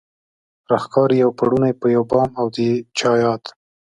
راښکاري يو پړونی په يو بام او د چا ياد